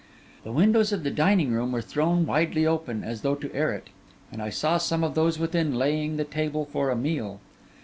The windows of the dining room were thrown widely open, as though to air it; and I saw some of those within laying the table for a meal.